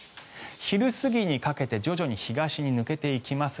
昼過ぎにかけて徐々に東に抜けていきます。